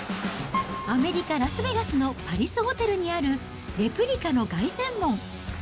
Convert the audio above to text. アメリカ・ラスベガスのパリスホテルにあるレプリカの凱旋門。